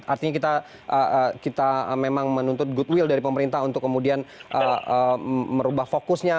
artinya kita memang menuntut goodwill dari pemerintah untuk kemudian merubah fokusnya